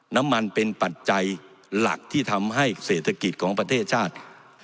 น้ำมันเป็นปัจจัยหลักที่ทำให้เศรษฐกิจของประเทศชาติ